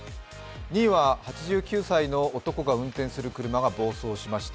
２位は８９歳の男が運転する車が暴走しました。